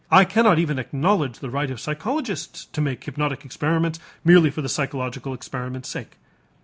I cannot even acknowledge the right of psychologists to make hypnotic experiments merely for the psychological experiment's sake.